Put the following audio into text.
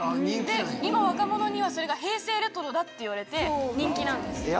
今若者に平成レトロって言われて人気なんです。